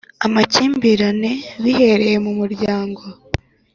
Amakimbirane bihereye mu muryango .